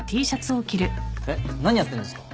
えっ何やってんですか？